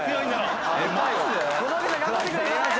小峠さん頑張ってください！